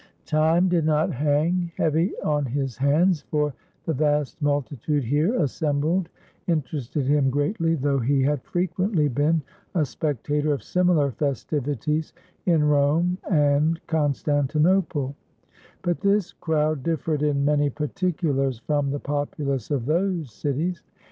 Time did not hang heavy on his hands, for the vast multi tude here assembled interested him greatly, though he had frequently been a spectator of similar festivities in Rome and Constantinople ; but this crowd differed in many particulars from the populace of those cities.